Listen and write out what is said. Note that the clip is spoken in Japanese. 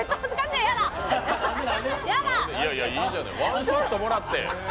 いやいや、いいじゃないワンショットもらって。